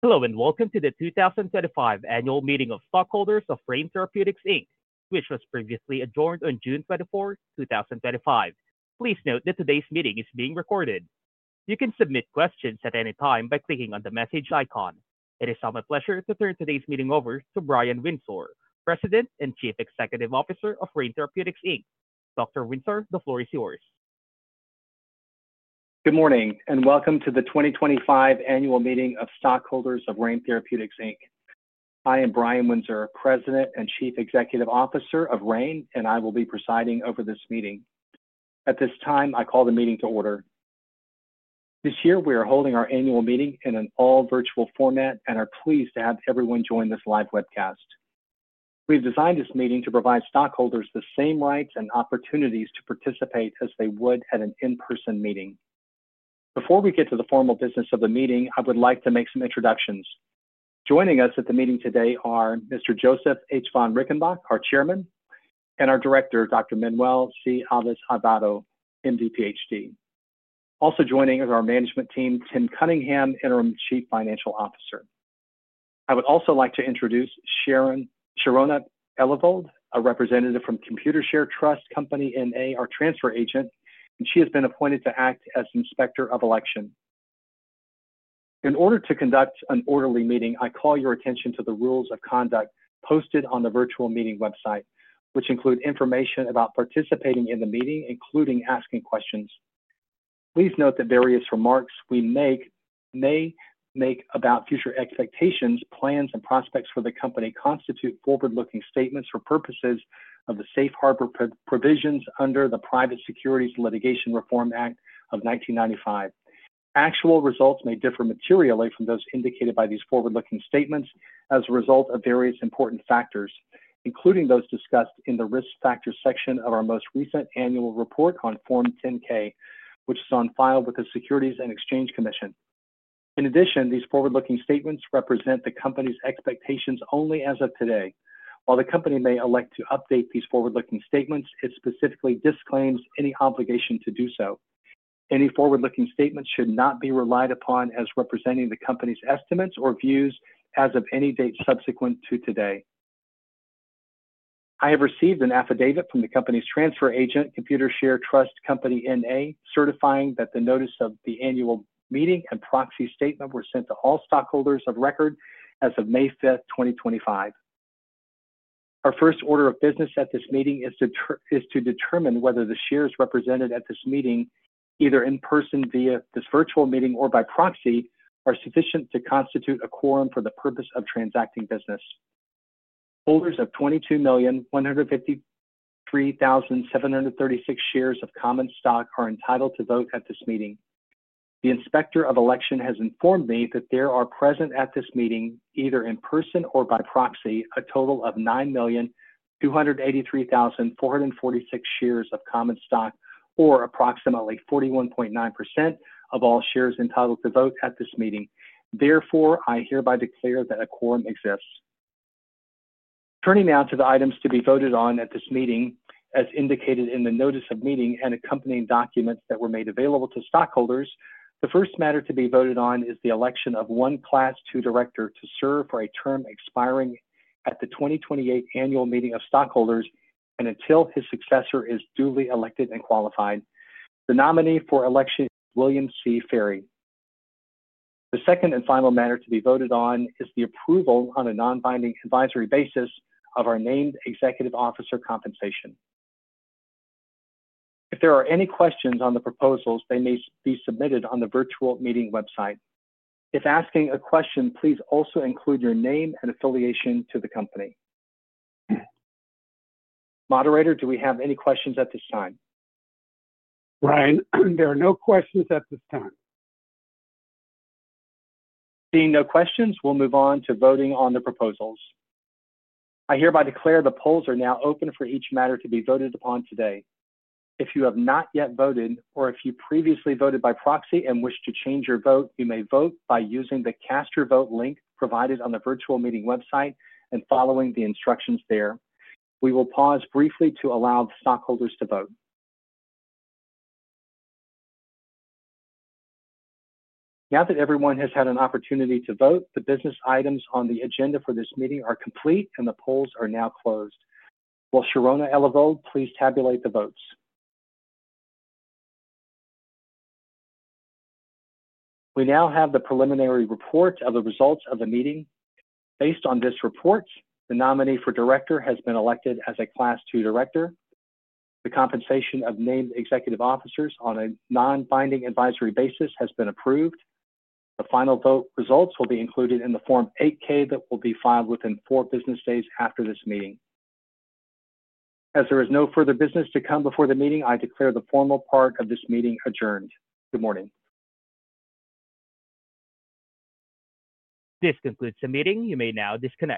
Hello and welcome to the 2025 Annual Meeting of Stockholders of Rein Therapeutics Inc, which was previously adjourned on June 24, 2025. Please note that today's meeting is being recorded. You can submit questions at any time by clicking on the message icon. It is now my pleasure to turn today's meeting over to Brian Windsor, President and Chief Executive Officer of Rein Therapeutics Inc. Dr. Windsor, the floor is yours. Good morning and welcome to the 2025 Annual Meeting of Stockholders of Rein Therapeutics Inc. I am Brian Windsor, President and Chief Executive Officer of Rein, and I will be presiding over this meeting. At this time, I call the meeting to order. This year, we are holding our annual meeting in an all-virtual format and are pleased to have everyone join this live webcast. We've designed this meeting to provide stockholders the same rights and opportunities to participate as they would at an in-person meeting. Before we get to the formal business of the meeting, I would like to make some introductions. Joining us at the meeting today are Mr. Josef H. von Rickenbach, our Chairman, and our Director, Dr. Manuel C. Alves Aivado, MD, PhD. Also joining is our management team, Tim Cunningham, Interim Chief Financial Officer. I would also like to introduce Sharon Ellevold, a representative from Computer Share Trust Company Inc, our transfer agent, and she has been appointed to act as Inspector of Election. In order to conduct an orderly meeting, I call your attention to the rules of conduct posted on the virtual meeting website, which include information about participating in the meeting, including asking questions. Please note that various remarks we make about future expectations, plans, and prospects for the company constitute forward-looking statements for purposes of the Safe Harbor Provisions under the Private Securities Litigation Reform Act of 1995. Actual results may differ materially from those indicated by these forward-looking statements as a result of various important factors, including those discussed in the risk factor section of our most recent annual report on Form 10-K, which is on file with the Securities and Exchange Commission. In addition, these forward-looking statements represent the company's expectations only as of today. While the company may elect to update these forward-looking statements, it specifically disclaims any obligation to do so. Any forward-looking statements should not be relied upon as representing the company's estimates or views as of any date subsequent to today. I have received an affidavit from the company's transfer agent, Computershare Trust Company N.A., certifying that the notice of the annual meeting and proxy statement were sent to all stockholders of record as of May 5, 2025. Our first order of business at this meeting is to determine whether the shares represented at this meeting, either in person via this virtual meeting or by proxy, are sufficient to constitute a quorum for the purpose of transacting business. Holders of 22,153,736 shares of common stock are entitled to vote at this meeting. The Inspector of Election has informed me that there are present at this meeting, either in person or by proxy, a total of 9,283,446 shares of common stock, or approximately 41.9% of all shares entitled to vote at this meeting. Therefore, I hereby declare that a quorum exists. Turning now to the items to be voted on at this meeting, as indicated in the notice of meeting and accompanying documents that were made available to stockholders, the first matter to be voted on is the election of one Class II Director to serve for a term expiring at the 2028 annual meeting of stockholders and until his successor is duly elected and qualified. The nominee for election is William C. Ferry. The second and final matter to be voted on is the approval on a non-binding advisory basis of our named executive officer compensation. If there are any questions on the proposals, they may be submitted on the virtual meeting website. If asking a question, please also include your name and affiliation to the company. Moderator, do we have any questions at this time? Brian, there are no questions at this time. Seeing no questions, we'll move on to voting on the proposals. I hereby declare the polls are now open for each matter to be voted upon today. If you have not yet voted, or if you previously voted by proxy and wish to change your vote, you may vote by using the Cast Your Vote link provided on the virtual meeting website and following the instructions there. We will pause briefly to allow the stockholders to vote. Now that everyone has had an opportunity to vote, the business items on the agenda for this meeting are complete and the polls are now closed. Will Sharon Ellevold please tabulate the votes? We now have the preliminary report of the results of the meeting. Based on this report, the nominee for Director has been elected as a Class II Director. The compensation of named executive officers on a non-binding advisory basis has been approved. The final vote results will be included in the Form 8-K that will be filed within four business days after this meeting. As there is no further business to come before the meeting, I declare the formal part of this meeting adjourned. Good morning. This concludes the meeting. You may now discuss.